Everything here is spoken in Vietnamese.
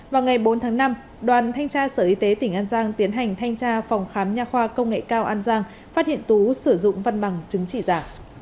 vào ngày bốn tháng năm đoàn thanh tra sở y tế tỉnh an giang tiến hành thanh tra phòng khám nhà khoa công nghệ cao an giang phát hiện tú sử dụng văn bằng chứng chỉ giả